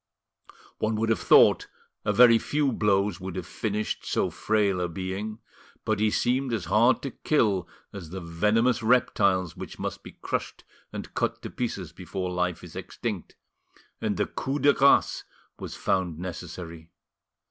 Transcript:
One would have thought a very few blows would have finished so frail a being, but he seemed as hard to kill as the venomous reptiles which must be crushed and cut to pieces before life is extinct, and the coup de grace was found necessary.